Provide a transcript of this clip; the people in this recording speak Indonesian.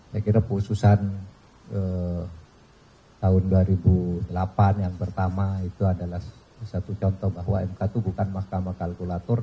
saya kira khususan tahun dua ribu delapan yang pertama itu adalah satu contoh bahwa mk itu bukan mahkamah kalkulator